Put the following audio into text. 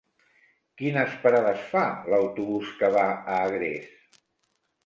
Quines parades fa l'autobús que va a Agres?